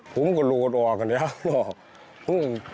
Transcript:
ผมก็โหลดออกกันแล้ว